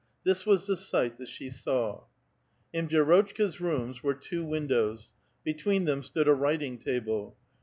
This was the sight that she saw :— In Vi^rotchka's rooms were two windows ; between them stood a writing table.